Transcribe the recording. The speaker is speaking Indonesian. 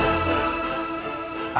tante menanggung al